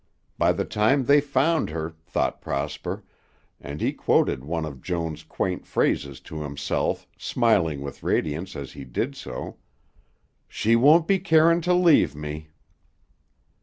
By the time they found her, thought Prosper, and he quoted one of Joan's quaint phrases to himself, smiling with radiance as he did so, "she won't be carin' to leave me."